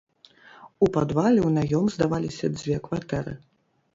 У падвале ў наём здаваліся дзве кватэры.